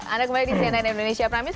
anda kembali di cnn indonesia promise